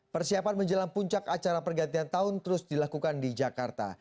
persiapan menjelang puncak acara pergantian tahun terus dilakukan di jakarta